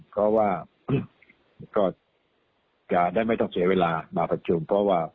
เพราะว่าก็จะได้ไม่ต้องเสียเวลามาประชุมเพราะว่า